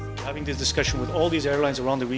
kita ada diskusi dengan semua pasukan pesawat di seluruh negara